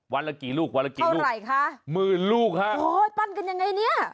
วันละกี่ลูกวันละกี่ลูกมืนลูกครับโอ้โฮปั้นกันยังไงเนี่ย